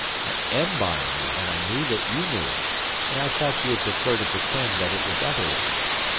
I am buying you, and I knew that you knew it, but I thought you would prefer to pretend that it was otherwise.